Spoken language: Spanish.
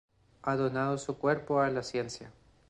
Ha donado su cuerpo a la ciencia.